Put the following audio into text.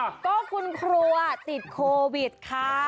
ก็คุณครัวติดโควิดค่ะ